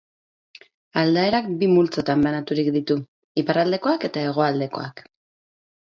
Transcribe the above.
Aldaerak bi multzotan banaturik ditu: iparraldekoak eta hegoaldekoak.